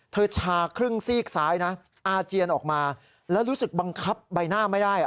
ชาครึ่งซีกซ้ายนะอาเจียนออกมาแล้วรู้สึกบังคับใบหน้าไม่ได้